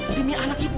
hidupnya anak ibu